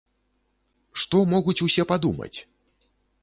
Што могуць усе падумаць!